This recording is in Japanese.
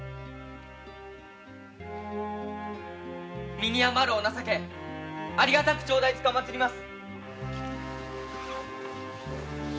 身に余るお情けありがたく頂戴つかまつります。